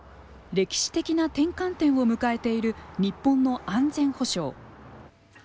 歴史的な転換点を迎えている日本の安全保障。